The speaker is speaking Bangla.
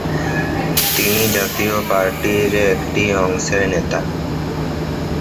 তিনি জাতীয় পার্টি র একটি অংশের নেতা।